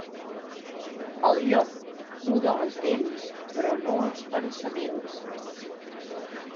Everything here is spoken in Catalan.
El llop muda les dents, però no els pensaments.